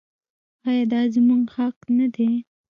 آیا دا زموږ حق نه دی؟